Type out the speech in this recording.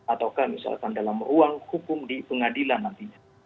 ataukah misalkan dalam ruang hukum di pengadilan nantinya